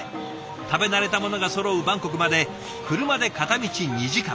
食べ慣れたものがそろうバンコクまで車で片道２時間。